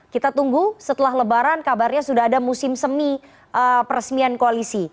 kita tunggu setelah lebaran kabarnya sudah ada musim semi peresmian koalisi